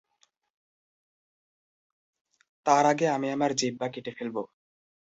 তার আগে আমি আমার জিব্বা কেটে ফেলবো।